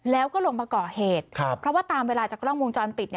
แล้วก็ลงมาก่อเหตุเพราะว่าตามเวลาจากกล้องวงจรปิด